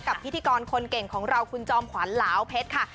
กับพิธีกรคนเก่งของเราคุณจอมขวานหลาวเพชครับ